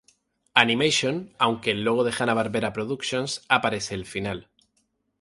Animation, aunque el logo de Hanna-Barbera Productions aparece el final.